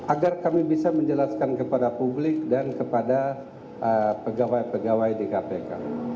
agar kami bisa menjelaskan kepada publik dan kepada pegawai pegawai di kpk